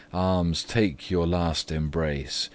Arms, take your last embrace!